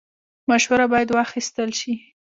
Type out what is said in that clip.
مشوره باید واخیستل شي